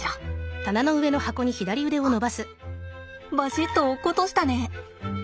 あバシッと落っことしたね。